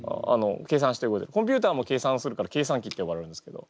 コンピューターも計算するから計算機って呼ばれるんですけど。